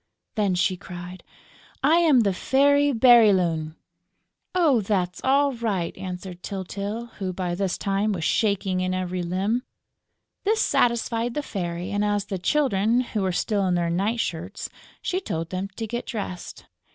Then she cried: "I am the Fairy Bérylune!" "Oh, that's all right!" answered Tyltyl, who, by this time, was shaking in every limb. This satisfied the Fairy; and, as the Children were still in their night shirts, she told them to get dressed.